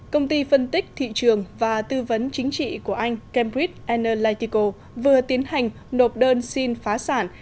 công ty phân tích thị trường và tư vấn chính trị của anh cambridger litico vừa tiến hành nộp đơn xin phá sản